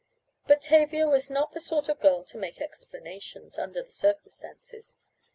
But Tavia was not the sort of girl to make explanations under the circumstances.